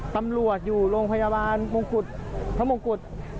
ตำรวจอยู่โรงพยาบาลพระมงค์กรุด